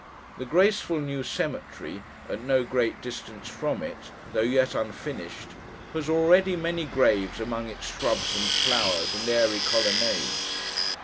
The graceful new cemetery, at no great distance from it, though yet unfinished, has already many graves among its shrubs and flowers, and airy colonnades.